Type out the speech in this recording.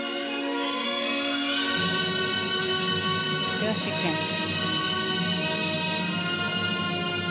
コレオシークエンス。